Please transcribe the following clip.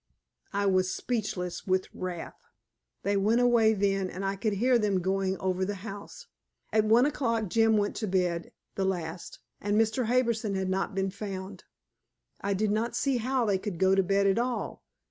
I was speechless with wrath. They went away then, and I could hear them going over the house. At one o'clock Jim went up to bed, the last, and Mr. Harbison had not been found. I did not see how they could go to bed at all.